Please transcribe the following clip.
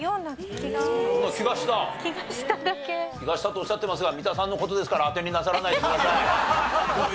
気がしたとおっしゃってますが三田さんの事ですから当てになさらないでください。